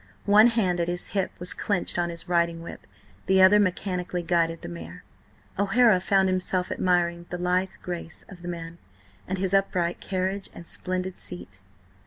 One hand at his hip was clenched on his riding whip, the other mechanically guided the mare. O'Hara found himself admiring the lithe grace of the man, with his upright carriage and splendid seat.